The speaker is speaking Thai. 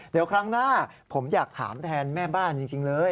เดี๋ยวครั้งหน้าผมอยากถามแทนแม่บ้านจริงเลย